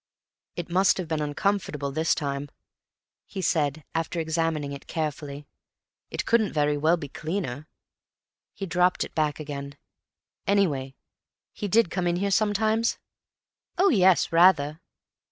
"It must have been uncomfortable this time," he said, after examining it carefully. "It couldn't very well be cleaner." He dropped it back again. "Anyway, he did come in here sometimes?" "Oh, yes, rather."